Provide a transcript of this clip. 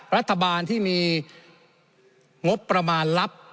รัฐบาลที่มีงบประมาณลับ